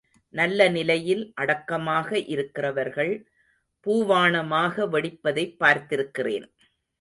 நல்ல நிலையில் அடக்கமாக இருக்கிறவர்கள் பூவாணமாக வெடிப்பதைப் பார்த்திருக்கிறேன்.